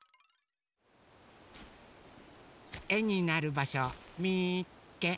えになるばしょみっけ！